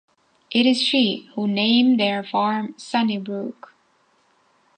It is she who named their farm "Sunnybrook".